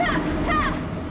aku akan semangat